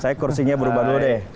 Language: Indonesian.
saya kursinya berubah dulu deh